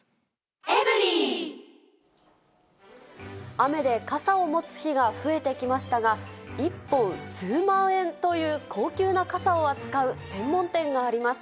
雨で傘を持つ日が増えてきましたが、１本数万円という高級な傘を扱う専門店があります。